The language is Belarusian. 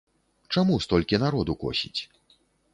Чаму столькі народу косіць?